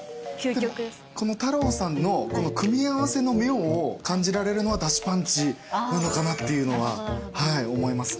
ＴＡＲＯさんの組み合わせの妙を感じられるのは出汁パンチなのかなっていうのは思いますね。